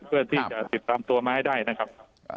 เพื่อที่จะติดตามตัวมาให้ได้นะครับ